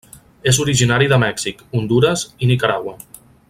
És originari de Mèxic, Hondures, i Nicaragua.